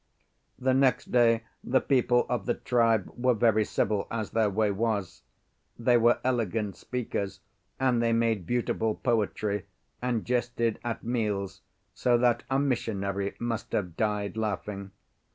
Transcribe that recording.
The next day the people of the tribe were very civil, as their way was. They were elegant speakers, and they made beautiful poetry, and jested at meals, so that a missionary must have died laughing.